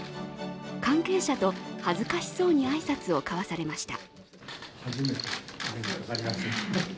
関係者と恥ずかしそうに挨拶を交わされました。